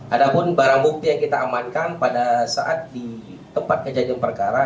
ada pun barang bukti yang kita amankan pada saat di tempat kejadian perkara